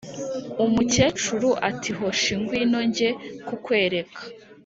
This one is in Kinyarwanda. umukecuru ati: "hoshi ngwino nge kukwereka".